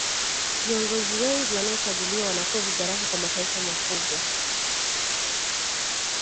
viongozi wengi wanaochaguliwa wanakuwa vibaraka wa mataifa makubwa